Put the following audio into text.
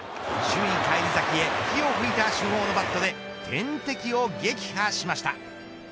首位返り咲きへ火を噴いた主砲のバットで天敵を撃破しました。